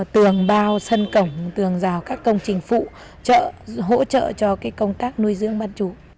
tường bao sân cổng tường rào các công trình phụ trợ hỗ trợ cho công tác nuôi dưỡng bán chú